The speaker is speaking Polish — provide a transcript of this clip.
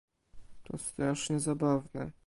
"To strasznie zabawne."